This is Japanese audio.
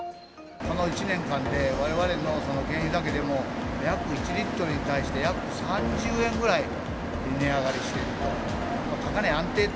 この１年間でわれわれの原油だけでも、約１リットルに対して約３０円ぐらい値上がりしていると。